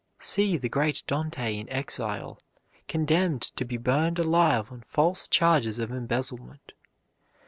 See the great Dante in exile, condemned to be burnt alive on false charges of embezzlement.